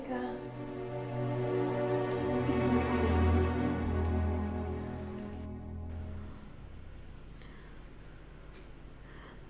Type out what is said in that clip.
ibuku yang malang